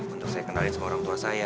untuk saya kenalin sama orang tua saya